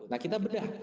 nah kita beda